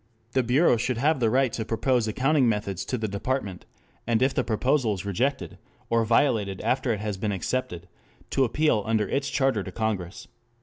The bureau should have the right to propose accounting methods to the department, and if the proposal is rejected, or violated after it has been accepted, to appeal under its charter to Congress.